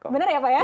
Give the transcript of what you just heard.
benar ya pak